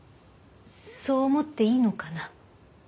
そう思っていいのかな？